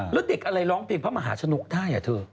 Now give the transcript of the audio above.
แล้วเด็กอะไรร้องเพลงพระมหาชนกได้อ่ะเธอ